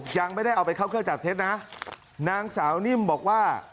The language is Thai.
ยังไม่ได้เอาไปเข้าเครื่องจับเท็จนะนางสาวนิ่มบอกว่า